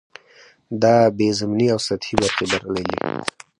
دا یې ضمني او سطحې برخې بللې.